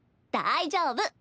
大丈夫。